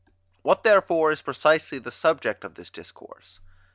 What therefore is precisely the subject of this discourse?